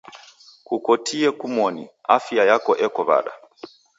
Kukukotie kumoni, afia yako eko w'ada?